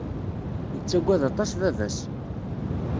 Yettaggad aṭas baba-s.